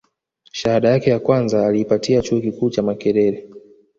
shahada yake ya kwanza aliipata chuo kikuu cha makerere